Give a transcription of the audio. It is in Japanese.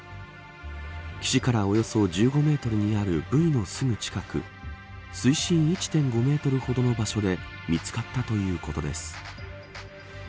岸からおよそ１５メートルにあるブイのすぐ近く水深１．５メートルほどの場所で見つかったということです。